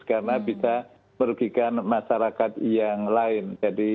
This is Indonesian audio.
karena bisa merugikan masyarakat yang lain